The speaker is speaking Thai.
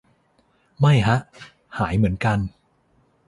ไม่ฮะ หายเหมือนกัน